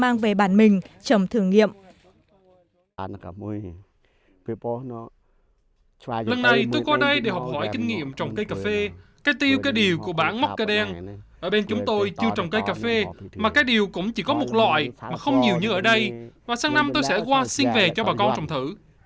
lần này tôi qua đây để học hỏi kinh nghiệm trồng cây cà phê cây tiêu cây điều của bản móc cây đen ở bên chúng tôi chưa trồng cây cà phê mà cây điều cũng chỉ có một loại mà không nhiều như ở đây và sáng năm tôi sẽ qua xin về cho bà con trồng thử